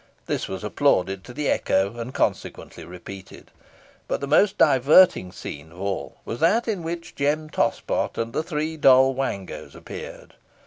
This was applauded to the echo, and consequently repeated. But the most diverting scene of all was that in which Jem Tospot and the three Doll Wangos appeared.